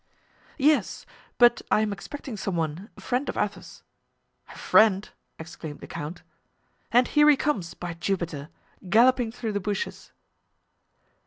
"Yes; but I am expecting some one, a friend of Athos." "A friend!" exclaimed the count. "And here he comes, by Jupiter! galloping through the bushes."